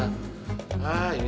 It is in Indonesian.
terima kasih pak